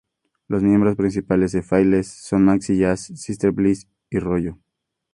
Los miembros principales de "Faithless" son Maxi Jazz, Sister Bliss y Rollo.